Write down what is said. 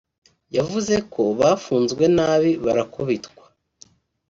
yavuze ko bafunzwe nabi barakubitwa